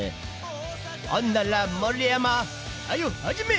ほんだら盛山はよ始め！